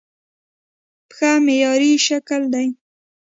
پښه معیاري شکل دی.